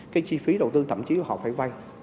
cái chi phí đầu tư thậm chí là họ phải vay